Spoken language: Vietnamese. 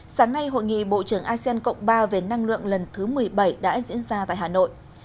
sáng nay hội nghị bộ trưởng asean cộng ba về năng lượng lần thứ một mươi bảy đã diễn ra tại hà nội